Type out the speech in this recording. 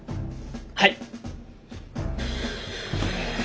はい！